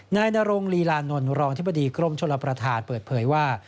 นายนรงลีลานนท์รองอธิบดีกรมชลประธานเปิดเผยว่า